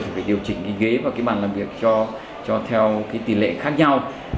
thì phải điều chỉnh cái ghế và cái bàn làm việc cho theo cái tỷ lệ khác nhau